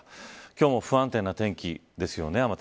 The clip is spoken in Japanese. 今日も不安定な天気ですよね